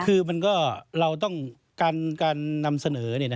คือเราต้องการนำเสนอ